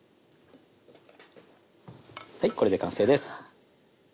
はいこれで完成です！